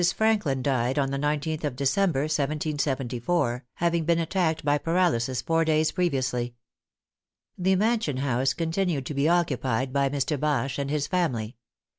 Franklin died on the 19th of December, 1774, having been attacked by paralysis four days previously. The mansion house continued to be occupied by Mr. Bache and his family.